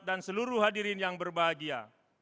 dan seluruh hadirin yang berbahagia